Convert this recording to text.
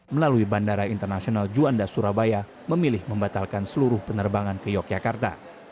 melalui bandara internasional juanda surabaya memilih membatalkan seluruh penerbangan ke yogyakarta